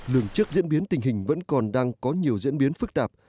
lường trước diễn biến tình hình vẫn còn đang có nhiều diễn biến phức tạp